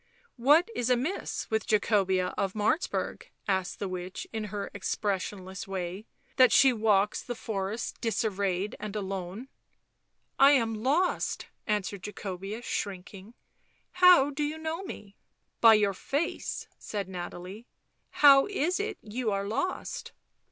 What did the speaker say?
" What is amiss with Jacobea of Martzburg," asked the witch in her expressionless way, " that she walks the forest disarrayed and alone ?"" I am lost," answered Jacobea, shrinking. " How do you know me ?"" By your face," said Nathalie. " How is it you are lost?"